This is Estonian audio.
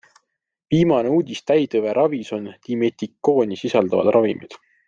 Viimane uudis täitõve ravis on dimetikooni sisaldavad ravimid.